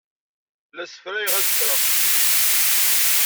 La ssefrayeɣ ad sreɣ tamsaklit.